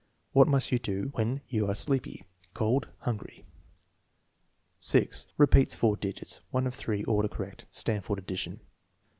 "What must you do": "When you are sleepy?" "Cold?" "Hungry?" 6. Repeats 4 digits. (1 of 3. Order correct.) (Stanford addi tion.)